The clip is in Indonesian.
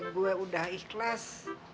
gue udah ikhlas